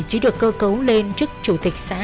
chứ được cơ cấu lên trước chủ tịch xã